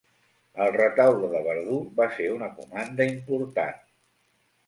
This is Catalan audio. El retaule de Verdú va ser una comanda important.